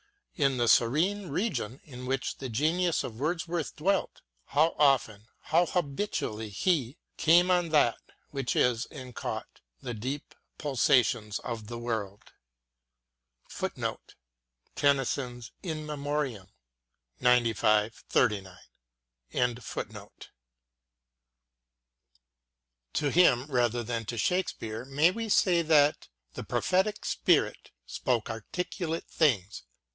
In the serene region in which the genius of Wordsworth dwelt, how often, how habitually he Came on that which is and caught The deep pulsations of the world.* ' TennysoD's "In Memoriam," xcv. 39. 102 WORDSWORTH AS A TEACHER To him, rather than to Shakespeare, may we say that " the prophetic spirit " spoke articulate things.